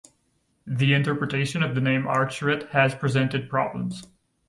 The interpretation of the name Arthuret has presented problems.